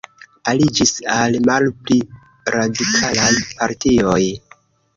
Aliĝis al malpli radikalaj partioj.